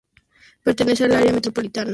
Pertenece al área metropolitana de Gaborone.